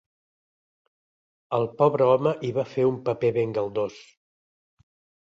El pobre home hi va fer un paper ben galdós!